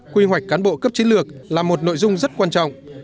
quy hoạch cán bộ cấp chiến lược là một nội dung rất quan trọng